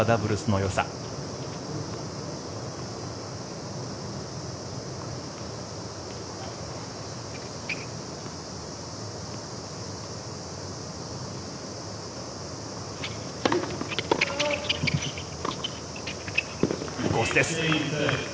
いいコースです。